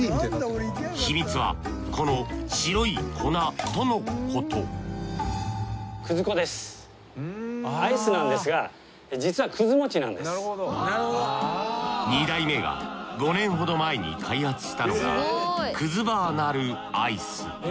秘密はこの白い粉とのこと二代目が５年ほど前に開発したのがくずバーなるアイス。